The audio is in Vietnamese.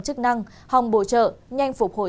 chức năng hòng bổ trợ nhanh phục hồi